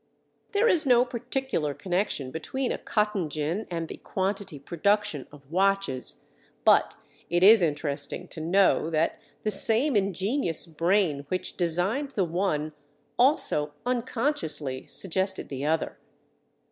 There is no particular connection between a cotton gin and the "quantity production" of watches, but it is interesting to know that the same ingenious brain which designed the one also unconsciously suggested the other.